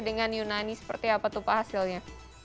dengan yunani seperti apa tuh pak hasilnya